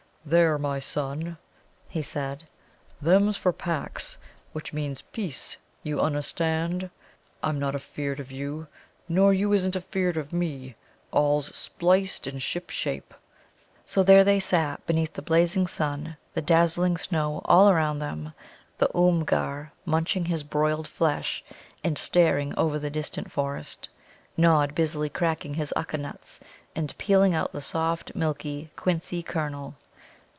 "There, my son," he said, "them's for pax, which means peace, you unnerstand. I'm not afeerd of you, nor you isn't afeerd of me. All's spliced and shipshape." So there they sat beneath the blazing sun, the dazzling snow all round them, the Oomgar munching his broiled flesh, and staring over the distant forest, Nod busily cracking his Ukka nuts, and peeling out the soft, milky, quincey kernel.